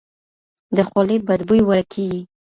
د خولې بد بوی ورک کیږي.